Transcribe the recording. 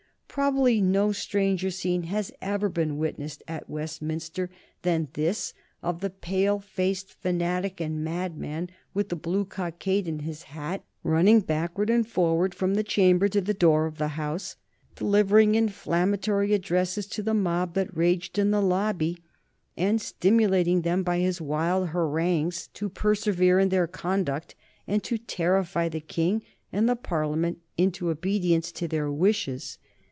Probably no stranger scene has ever been witnessed at Westminster than this of the pale faced fanatic and madman, with the blue cockade in his hat, running backward and forward from the Chamber to the door of the House, delivering inflammatory addresses to the mob that raged in the Lobby, and stimulating them by his wild harangues to persevere in their conduct, and to terrify the King and the Parliament into obedience to their wishes.